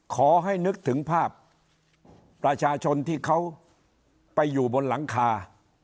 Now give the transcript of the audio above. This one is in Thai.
ขอให้นึกถึงภาพประชาชนที่เขาไปอยู่บนหลังคา